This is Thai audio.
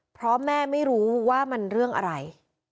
เพราะแม่ไม่รู้ว่ามันเรื่องอะไร